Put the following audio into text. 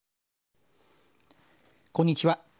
こんにちは。